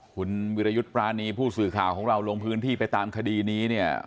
คุณวิรยุทธ์ปรานีผู้สื่อข่าวของเราลงพื้นที่ไปตามคดีนี้เนี่ย